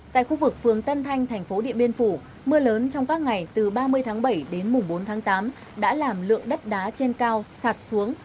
tại khu vực phường tân thanh thành phố điện biên phủ mưa lớn trong các ngày từ ba mươi tháng bảy đến mùng bốn tháng tám đã làm lượng đất đá trên cao sạt xuống